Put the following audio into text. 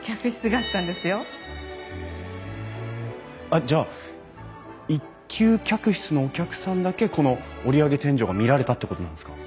あっじゃあ１級客室のお客さんだけこの折り上げ天井が見られたってことなんですか？